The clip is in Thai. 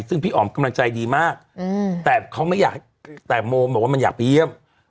แล้วพี่อ่อมกำลังใจดีมากแต่โมอยากไปเยี่ยม